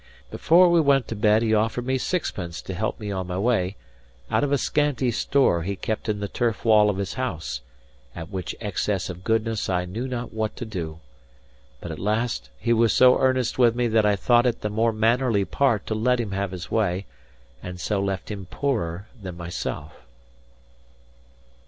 Before we went to bed he offered me sixpence to help me on my way, out of a scanty store he kept in the turf wall of his house; at which excess of goodness I knew not what to do. But at last he was so earnest with me that I thought it the more mannerly part to let him have his way, and so left him poorer than myself.